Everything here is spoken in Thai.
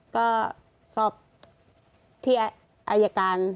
ก็สอบที่อายการ